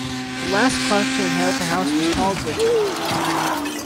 The last Clark to inherit the house was called Richard.